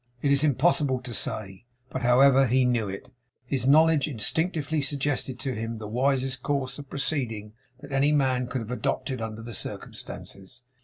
It is impossible to say; but however he knew it, his knowledge instinctively suggested to him the wisest course of proceeding that any man could have adopted under the circumstances.